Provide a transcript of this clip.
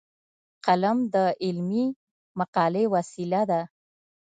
قلم د علمي مقالې وسیله ده